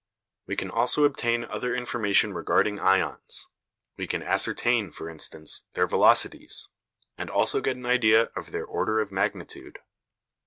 We can also obtain other information regarding ions: we can ascertain, for instance, their velocities, and also get an idea of their order of magnitude.